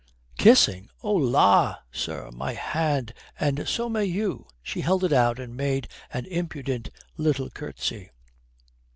"Kissing? Oh la, sir, my hand, and so may you." She held it out and made an impudent little curtsy.